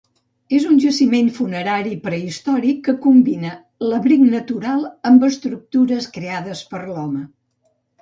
És un jaciment funerari prehistòric que combina l'abric natural amb estructures creades per l'home.